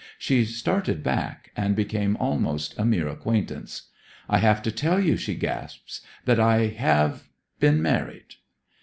She started back, and became almost a mere acquaintance. 'I have to tell you,' she gasped, 'that I have been married.'